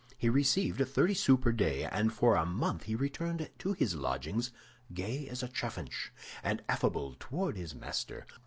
He received thirty sous per day, and for a month he returned to his lodgings gay as a chaffinch, and affable toward his master.